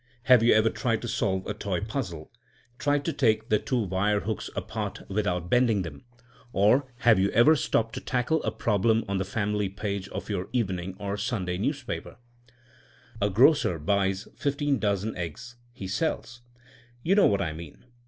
Have yon ever tried to solve a toy puzzle, tried to take the two wire hooks apart without bend ing themt Or have yon ever stopped to tackle a problem on the fanuly page of yonr evening or Sunday newspaper t "A grocer buys fifteen dozen eggs, he sella —" you know what I mean.